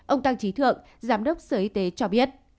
ông tăng trí thượng giám đốc sở y tế cho biết